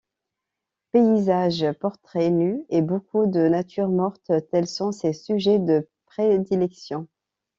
Paysages, portraits, nus et beaucoup de natures mortes, tels sont ses sujets de prédilection.